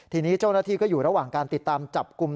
ทีใจก็อยู่ระหว่างการติดตามจับกลุ่ม